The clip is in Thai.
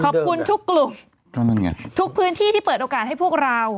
ขอบคุณทุกกลุ่มก็นั่นไงทุกพื้นที่ที่เปิดโอกาสให้พวกเรา